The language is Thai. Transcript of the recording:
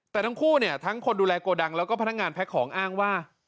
แต่ทั้งคู่เนี่ยทั้งคนดูแลโกดังแล้วก็พนักงานแพ็คของอ้างว่า